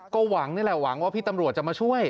ก็หวังนี่แหละหวังว่าพี่ตำรวจจะมาช่วย